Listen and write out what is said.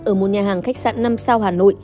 ở một nhà hàng khách sạn năm sao hà nội